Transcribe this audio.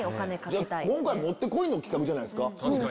今回もってこいの企画じゃないですか